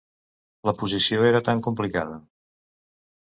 La posició era tan complicada